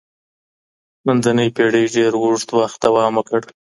منځنۍ پېړۍ ډېر اوږد وخت دوام وکړ.